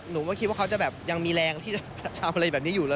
หนูก็คิดว่าเขาจะแบบยังมีแรงที่จะทำอะไรแบบนี้อยู่แล้ว